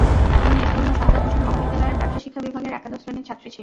তিনি স্থানীয় শাহাদাৎ হোসেন মহাবিদ্যালয়ের ব্যবসায় শিক্ষা বিভাগের একাদশ শ্রেণির ছাত্রী ছিল।